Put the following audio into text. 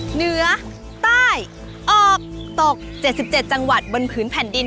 เหนือใต้ออกตก๗๗จังหวัดบนผืนแผ่นดิน